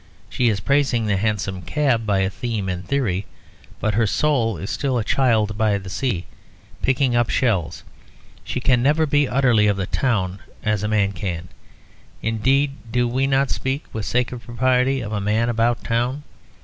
She is praising the hansom cab by theme and theory, but her soul is still a child by the sea, picking up shells. She can never be utterly of the town, as a man can; indeed, do we not speak (with sacred propriety) of 'a man about town'?